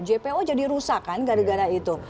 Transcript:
jpo jadi rusak kan gara gara itu